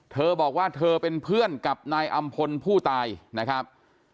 เธอบอกว่าเธอเป็นเพื่อนกับนายอำพลผู้ตายนะครับ